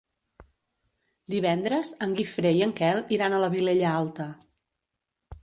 Divendres en Guifré i en Quel iran a la Vilella Alta.